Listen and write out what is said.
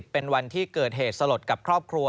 เป็นวันที่เกิดเหตุสลดกับครอบครัว